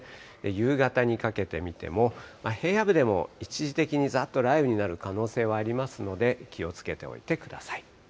夕方にかけて見ても、平野部でも一時的にざーっと雷雨になる可能性はありますので、気をつけておいてください。